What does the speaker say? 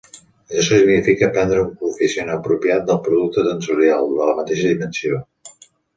Això significa prendre un quocient apropiat del producte tensorial, de la mateixa dimensió.